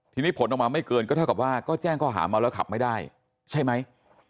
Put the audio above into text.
ทีนี้ผลออกมาไม่เกินก็แจ้งข้อข่าวเมาแล้วขับไม่ได้ใช่ไหม